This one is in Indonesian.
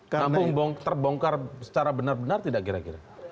kampung terbongkar secara benar benar tidak kira kira